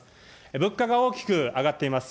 物価が大きく上がっています。